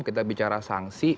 kita bicara sanksi